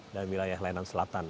dan wilayah layanan selatan